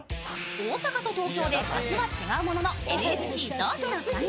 大阪と東京で場所は違うもののＮＳＣ同期の３人。